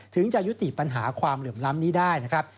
จะยุติปัญหาความเหลื่อมล้ำนี้ได้นะครับ